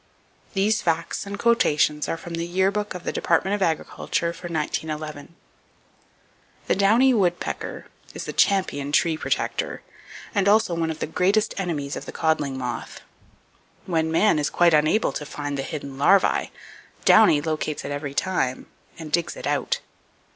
These facts and quotations are from the "Yearbook of the Department of Agriculture," for 1911. The Downy Woodpecker is the champion tree protector, and also one of the greatest enemies of the codling moth. When man is quite unable to find the hidden larvae, Downy locates it every time, and digs it out.